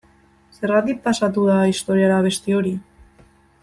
Zergatik pasatu da historiara abesti hori?